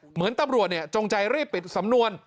เหมือนตำรวจจงใจรีบปิดสำนวน